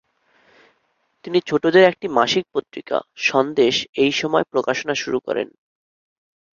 তিনি ছোটদের একটি মাসিক পত্রিকা, 'সন্দেশ', এই সময় প্রকাশনা শুরু করেন।